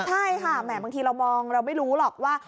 ใช่ค่ะแหมบางทีเรามองเราไม่รู้หรอกว่า